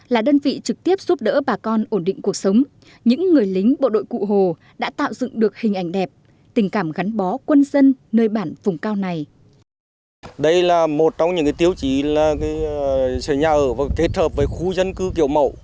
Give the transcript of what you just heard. là đơn vị trực tiếp giúp đỡ bà con ổn định cuộc sống những người lính bộ đội cụ hồ đã tạo dựng được hình ảnh đẹp tình cảm gắn bó quân dân nơi bản vùng cao này